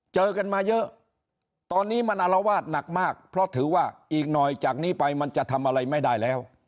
เจอกันมาเยอะตอนนี้มันอารวาสหนักมากเพราะถือว่าอีกหน่อยจากนี้ไปมันจะทำอะไรไม่ได้แล้ว